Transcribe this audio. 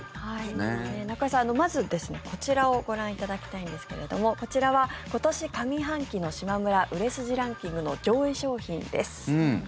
中居さん、まずこちらをご覧いただきたいんですけれどもこちらは今年上半期のしまむら売れ筋ランキングの上位商品です。